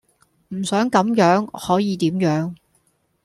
唔想咁樣可以點樣?